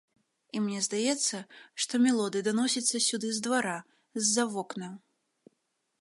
І мне здаецца, што мелодыя даносіцца сюды з двара, з-за вокнаў.